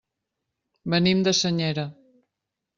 Venim de Senyera.